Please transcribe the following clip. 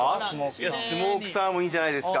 スモークサーモンいいじゃないですか。